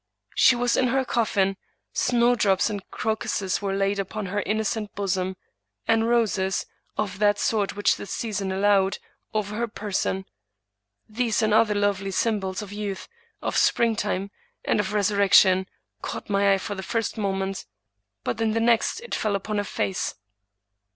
She was in her coffin; snowdrops and crocuses were laid upon her innocent bosom, and roses, of that sort 143 English Mystery Stories which the season allowed, over her person. These and other lovely symbols of youth, of springtime, and of resur rection, caught my eye for the first moment; but in the next it fell upon her face.